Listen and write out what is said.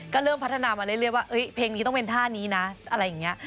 ก็เริ่มพัฒนามาเรื่อยว่าเพลงนี้ต้องเป็นท่านี้นะอะไรอย่างนี้